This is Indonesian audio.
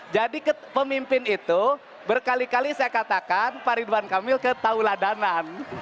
jadi pemimpin itu berkali kali saya katakan pak ridwan kamil ketahulah danan